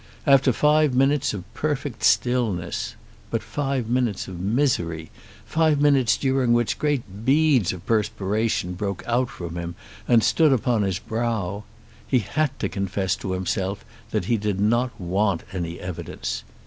After five minutes of perfect stillness, but five minutes of misery, five minutes during which great beads of perspiration broke out from him and stood upon his brow, he had to confess to himself that he did not want any evidence.